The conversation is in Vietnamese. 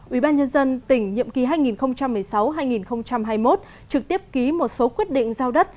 ủy ban nhân dân tỉnh nhiệm kỳ hai nghìn một mươi sáu hai nghìn hai mươi một trực tiếp ký một số quyết định giao đất